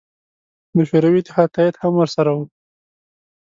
د شوروي اتحاد تایید هم ورسره و.